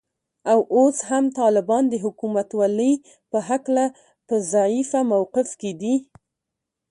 او اوس هم طالبان د حکومتولې په هکله په ضعیفه موقف کې دي